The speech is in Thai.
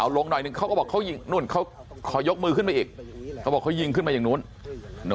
ลงหน่อยนึงเขาก็บอกเขายิงนู่นเขาขอยกมือขึ้นมาอีกเขาบอกเขายิงขึ้นมาอย่างนู้น